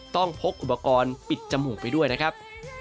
พกอุปกรณ์ปิดจมูกไปด้วยนะครับ